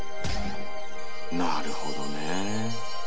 なるほどね。